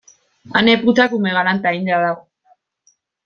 Ane putakume galanta eginda dago.